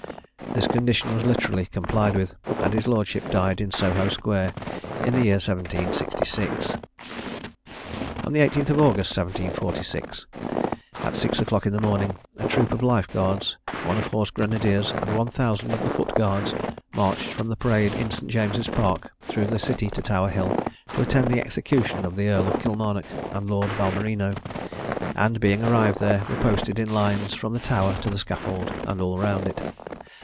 This condition was literally complied with; and his lordship died in Soho square in the year 1766. On the 18th of August 1746, at six o'clock in the morning, a troop of life guards, one of horse grenadiers, and one thousand of the foot guards, marched from the parade in St. James's Park, through the city to Tower hill, to attend the execution of the Earl of Kilmarnock and Lord Balmerino; and being arrived there, were posted in lines from the Tower to the scaffold, and all round it.